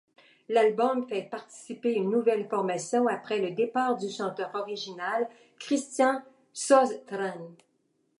L'album fait participer une nouvelle formation après le départ du chanteur original Christian Sjöstrand.